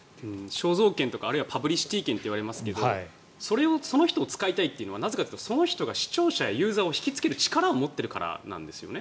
肖像権とかパブリシティー権その人を使いたいというのはなぜかというと、その人たちが視聴者やユーザーを引きつける力を持っているからなんですよね。